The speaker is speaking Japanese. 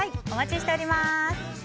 お待ちしております。